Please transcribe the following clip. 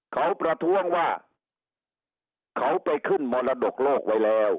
เขาประท้วงว่าเขาไปขึ้นมรดกโลกไว้แล้ว